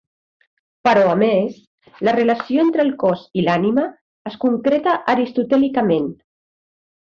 Però a més, la relació entre el cos i l'ànima es concreta aristotèlicament.